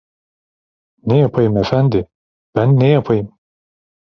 Ne yapayım efendi, ben ne yapayım?"